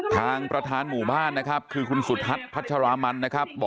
ทางประธานหมู่บ้านนะครับคือคุณสุทัศน์พัชรามันนะครับ